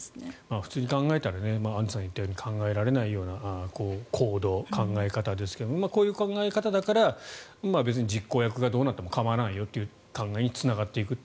普通に考えたらアンジュさんが言ったように考えられないような行動、考え方ですがこういう考え方だから別に実行役がどうなっても構わないという考え方につながっていくと。